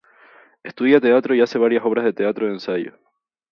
Estudia teatro y hace varias obras de teatro de ensayo.